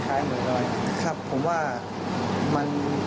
ครับผมว่า